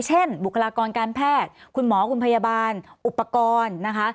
บุคลากรการแพทย์คุณหมอคุณพยาบาลอุปกรณ์นะคะ